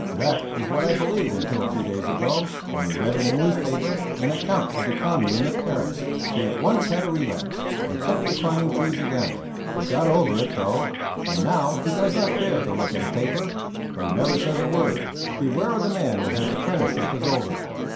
That is what I believed until a few days ago when he read in a paper an account of the Commune at Paris. He at once had a relapse and took to climbing trees again. He got over it, though, and now he does not dare to look at a paper. But he never says a word. Beware of the man when his apprenticeship is over.